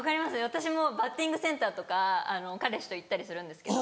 私もバッティングセンターとか彼氏と行ったりするんですけど。